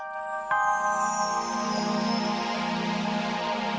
kau bisa sedikit merahkan villain